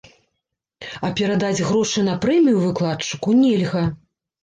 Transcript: А перадаць грошы на прэмію выкладчыку нельга.